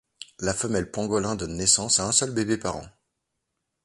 La femelle pangolin donne naissance à un seul bébé par an.